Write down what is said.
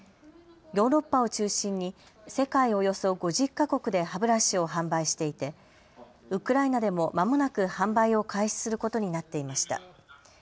ヨーロッパを中心に世界およそ５０か国で歯ブラシを販売していてウクライナでもまもなく販売を開始することになっていました。